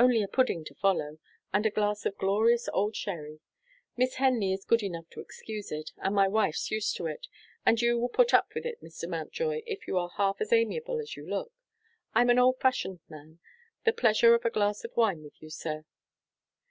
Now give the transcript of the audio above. Only a pudding to follow, and a glass of glorious old sherry. Miss Henley is good enough to excuse it and my wife's used to it and you will put up with it, Mr. Mountjoy, if you are half as amiable as you look. I'm an old fashioned man. The pleasure of a glass of wine with you, sir."